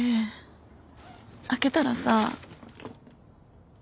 開けたらさ。